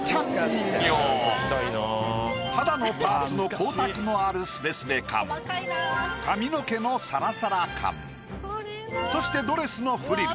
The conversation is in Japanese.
肌のパーツの光沢のあるスベスベ感髪の毛のサラサラ感そしてドレスのフリル。